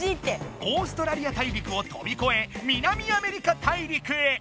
オーストラリア大陸をとびこえ南アメリカ大陸へ。